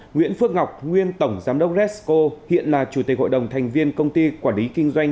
nguyễn phước ngọc nguyên tổng giám đốc resco hiện là chủ tịch hội đồng thành viên công ty quản lý kinh doanh